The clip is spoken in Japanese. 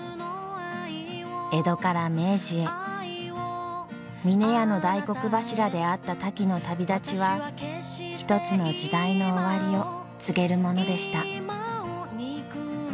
江戸から明治へ峰屋の大黒柱であったタキの旅立ちは一つの時代の終わりを告げるものでした。